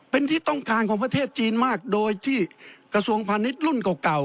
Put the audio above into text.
เป็นที่ต้องการของประเทศจีนมากโดยที่กระทรวงพาณิชย์รุ่นเก่า